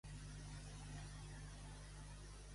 Quines altres muntanyes va fer Mercè?